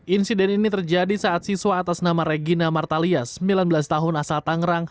insiden ini terjadi saat siswa atas nama regina martalias sembilan belas tahun asal tangerang